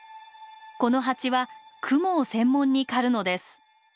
このハチはクモを専門に狩るのです。